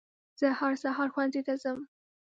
زه هر سهار ښوونځي ته ځم